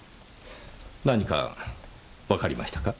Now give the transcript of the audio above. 何かわかりましたか？